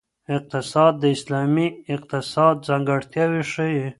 اقتصاد د اسلامي اقتصاد ځانګړتیاوې ښيي.